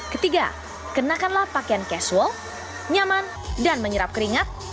ketiga kenakanlah pakaian casual nyaman dan menyerap keringat